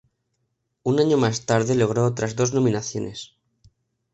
Un año más tarde logró otras dos nominaciones.